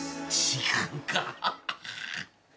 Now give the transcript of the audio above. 違うかぁ。